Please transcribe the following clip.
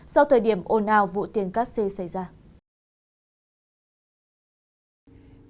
sau thời điểm ồn ào vụ tiền cát xê xảy ra